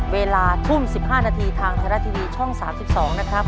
เวลาทุ่ม๑๕นาทีทางไทยรัฐทีวีช่อง๓๒นะครับ